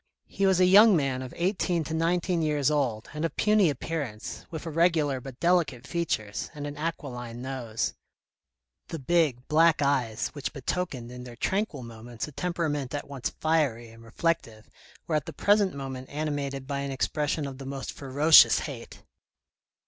He was a young man of eighteen to nineteen years old, and of puny appearance, with irregular but delicate features, and an aquiline nose. The big black eyes which betokened in their tranquil moments a temperament at once fiery and reflective were at the present moment animated by an expression of the most ferocious hate.